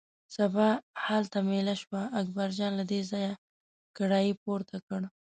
سبا هلته مېله شوه، اکبرجان له دې ځایه کړایی پورته کړه.